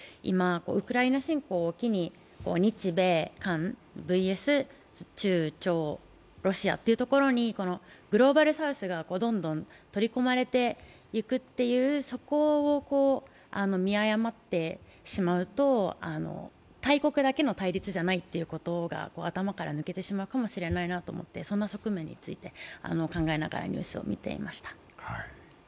ウクライナ侵攻を機に、日米韓ＶＳ中・朝・ロシアというところでグローバルサウスがどんどん取り込まれていくという、そこを見誤ってしまうと、大国だけの対立じゃないことが頭から抜けてしまうかもしれないなと思って、そんな側面について考えながらニュースを見ていました。